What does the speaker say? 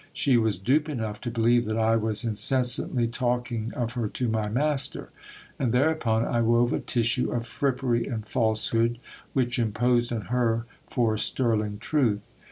She was dupe enough to believe that I was incess antly talking of her to my master ; and thereupon I wove a tissue of frippery and falsehood, which imposed on her for sterling truth.